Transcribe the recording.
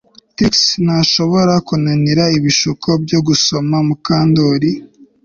Trix ntashobora kunanira ibishuko byo gusoma Mukandoli